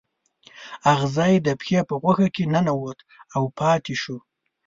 اغزی د پښې په غوښه کې ننوت او پاتې شو.